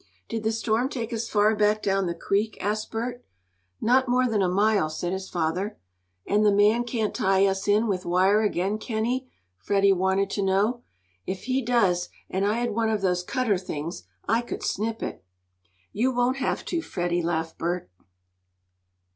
"Did the storm take us far back down the creek?" asked Bert. "Not more than a mile," said his father. "And the man can't tie us in with wire again, can he?" Freddie wanted to know. "If he does, and I had one of those cutter things, I could snip it." "You won't have to, Freddie," laughed Bert.